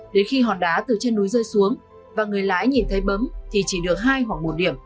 đến khi hòn đá từ trên núi rơi xuống và người lái nhìn thấy bấm thì chỉ được hai hoặc một điểm